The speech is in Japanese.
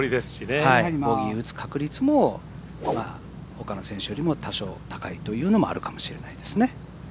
ボギー打つ確率もほかの選手よりも多少高いというのもあるかもしれないですね。